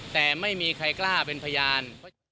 แต่ไม่มีใครกล้าเป็นพยาน